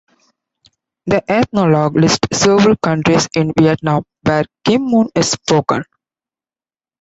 The Ethnologue lists several counties in Vietnam where Kim Mun is spoken.